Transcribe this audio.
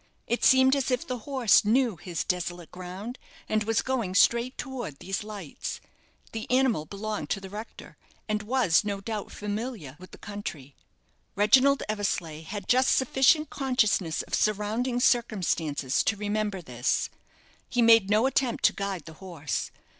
It seemed as if the horse knew his desolate ground, and was going straight towards these lights. The animal belonged to the rector, and was, no doubt, familiar with the country. Reginald Eversleigh had just sufficient consciousness of surrounding circumstances to remember this. He made no attempt to guide the horse.